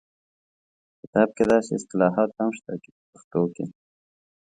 په کتاب کې داسې اصطلاحات هم شته چې په پښتو کې